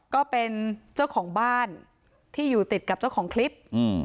ก็เป็นเจ้าของบ้านที่อยู่ติดกับเจ้าของคลิปอืม